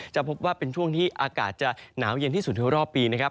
จะพบว่าเป็นช่วงที่อากาศจะหนาวเย็นที่สุดในรอบปีนะครับ